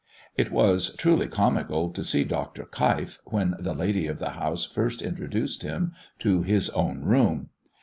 It was truly comical to see Dr. Keif, when the lady of the house first introduced him to his "own room."